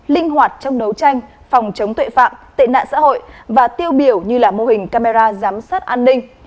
linh hoạt trong đấu tranh phòng chống tội phạm tệ nạn xã hội và tiêu biểu như là mô hình camera giám sát an ninh